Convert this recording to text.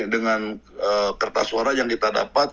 dengan kertas suara yang kita dapat